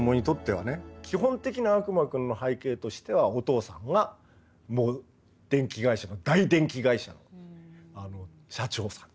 基本的な「悪魔くん」の背景としてはお父さんがもう電気会社の大電気会社の社長さん。